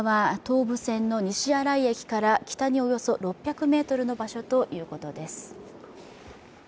現場は東武線の西新井駅から北におよそ６００ｍの場所ということです。